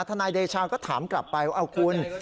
นายเดชาก็ถามกลับไปว่าเอาคุณ